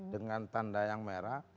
dengan tanda yang merah